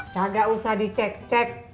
kagak usah dicek cek